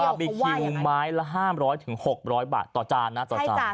บีคิวไม้ละ๕๐๐๖๐๐บาทต่อจานนะต่อจาน